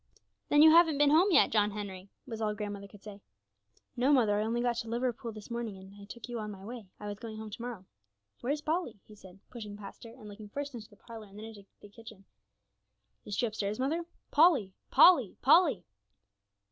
'Then you haven't been home yet, John Henry!' was all grandmother could say. 'No, mother; I only got to Liverpool this morning, and I took you on my way; I was going home to morrow.' 'Where's Polly?' he said, pushing past her, and looking first into the parlour and then into the kitchen. 'Is she upstairs, mother? Polly! Polly! Polly!'